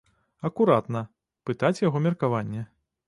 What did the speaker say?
Акуратна, пытаць яго меркаванне.